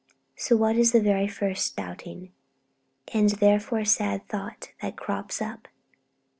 So what is the very first doubting, and therefore sad thought that crops up?